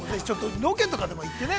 ロケとかに行ってね。